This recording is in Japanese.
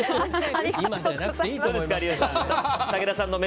今じゃなくていいと。